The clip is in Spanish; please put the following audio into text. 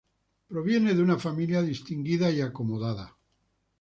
Proveniente de una familia distinguida y acomodada.